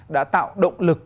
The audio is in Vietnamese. đã tạo động lực